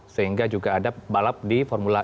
sehingga juga ada balap di formula e